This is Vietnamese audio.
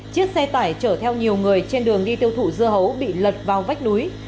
chiếc xe tải chở theo nhiều người trên đường đi tiêu thụ dưa hấu bị lật vào vách núi